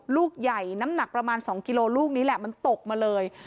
ลูกใหญ่น้ำหนักประมาณ๒กิโลลูกนี้แหละมันตกมาเลย